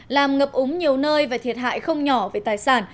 làm ngập úng nhiều nơi và thiệt hại không nhỏ về tài sản